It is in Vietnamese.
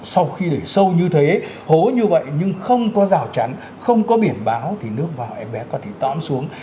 sau khi để sâu như thế hố như vậy nhưng không có rào chắn không có biển báo thì nước vào em bé có thể tóm xuống